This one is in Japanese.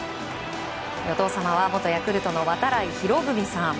お父様は元ヤクルトの度会博文さん。